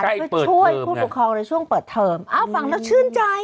ใกล้เปิดเทอมช่วยผู้ผู้คองในช่วงเปิดเทอมอ่ะฟังแล้วชื่นใจอ่ะ